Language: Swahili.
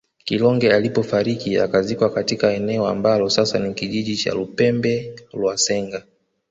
Kilonge alipofariki akazikwa katika eneo ambalo sasa ni kijiji cha Lupembe lwa Senga